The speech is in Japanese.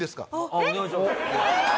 あっお願いします。